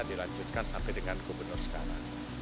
dilanjutkan sampai dengan gubernur sekarang